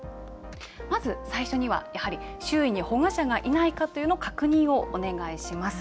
まず最初にはやはり、周囲に保護者がいないかというのを確認をお願いします。